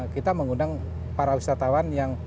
kita mengundang para wisatawan yang